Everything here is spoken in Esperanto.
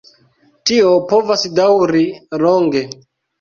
Tio povas daŭri longe.